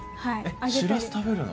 しらす食べるの？